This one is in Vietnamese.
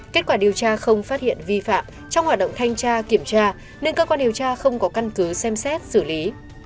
kết quả điều tra không phát hiện vi phạm trong hoạt động thanh tra kiểm tra nên cơ quan điều tra không có căn cứ xem xét xử lý